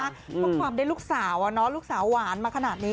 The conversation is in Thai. เพราะความได้ลูกสาวลูกสาวหวานมาขนาดนี้